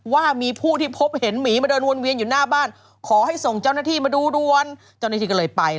ว่ามีผู้ที่พบเห็นหมีมาเดินวนเวียนอยู่หน้าบ้านขอให้ส่งเจ้าหน้าที่มาดูด่วนเจ้าหน้าที่ก็เลยไป